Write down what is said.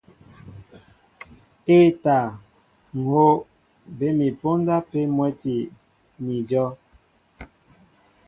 E᷇ taa, ŋ̀ hów, bé mi póndá pē mwɛ́ti ni ajow.